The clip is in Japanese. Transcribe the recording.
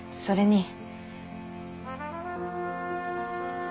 それに？